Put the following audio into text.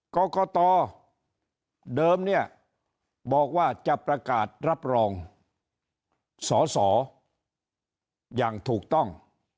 กรกตเดิมเนี่ยบอกว่าจะประกาศรับรองสอสออย่างถูกต้อง